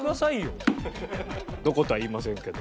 どことは言いませんけど。